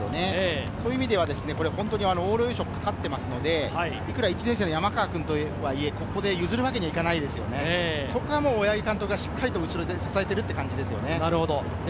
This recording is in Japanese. そういう意味では本当に往路優勝がかかっていますので１年生の山川君とはいえ、譲るわけにはいかないですね。そこは大八木監督が後ろでしっかり支えている感じです。